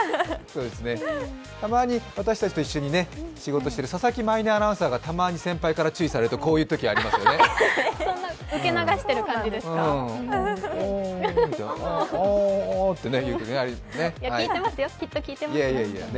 たまに私たちと一緒に仕事をしている佐々木舞音アナウンサーがたまに先輩から注意されるとこういうときありますよね。